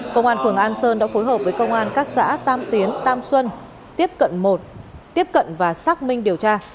công an phường an sơn đã phối hợp với công an các xã tam tiến tam xuân tiếp cận một tiếp cận và xác minh điều tra